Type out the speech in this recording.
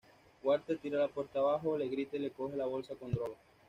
Walter tira la puerta abajo, le grita y le coge la bolsa con droga.